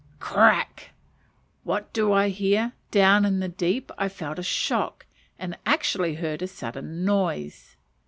Crack! What do I hear? Down in the deep I felt a shock, and actually heard a sudden noise.